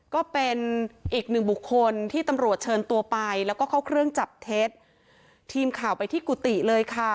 ก็เป็นอีกหนึ่งบุคคลที่ตำรวจเชิญตัวไปแล้วก็เข้าเครื่องจับเท็จทีมข่าวไปที่กุฏิเลยค่ะ